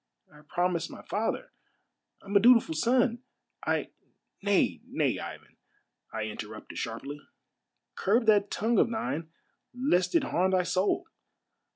I promised my father — I'm a dutiful son — I —" "Nay, nay, Ivan," I interrupted sharply, "curb that tongue of tliine lest it harm thy soul.